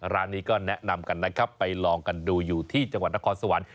ร้านนี้ก็แนะนำกันนะครับไปลองกันดูอยู่ที่จังหวัดนครสวรรค์